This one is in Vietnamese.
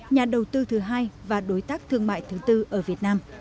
nhà đầu tư thứ hai và đối tác thương mại thứ tư ở việt nam